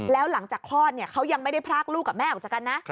แล้วหลังจากคลอดเขายังไม่ได้พรากลูกกับแม่ออกจากกันนะ